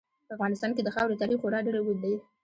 په افغانستان کې د خاورې تاریخ خورا ډېر اوږد دی.